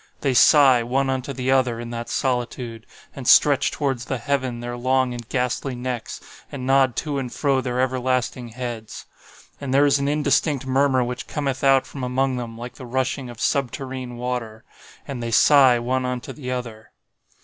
They sigh one unto the other in that solitude, and stretch towards the heaven their long and ghastly necks, and nod to and fro their everlasting heads. And there is an indistinct murmur which cometh out from among them like the rushing of subterrene water. And they sigh one unto the other.